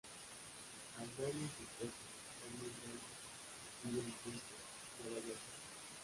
Haldane y su esposa, Odile Belmont, viven en Princeton, Nueva Jersey.